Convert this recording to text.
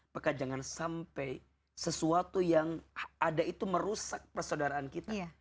maka jangan sampai sesuatu yang ada itu merusak persaudaraan kita